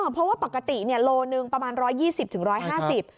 เพราะว่าปกติเนี่ยโลหนึ่งประมาณ๑๒๐๑๕๐บาท